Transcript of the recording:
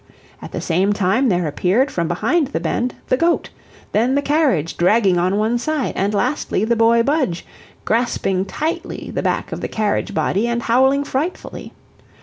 At the same time there appeared, from behind the bend, the goat, then the carriage dragging on one side, and lastly, the boy Budge, grasping tightly the back of the carriage body, and howling frightfully.